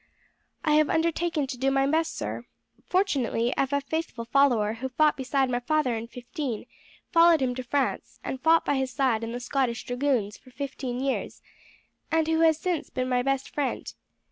"I have undertaken to do my best, sir. Fortunately I have a faithful follower who fought beside my father in '15, followed him to France and fought by his side in the Scottish Dragoons for fifteen years, and who has since been my best friend.